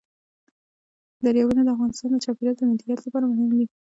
دریابونه د افغانستان د چاپیریال د مدیریت لپاره مهم دي.